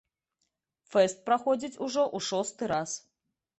Фэст праходзіць ужо ў шосты раз.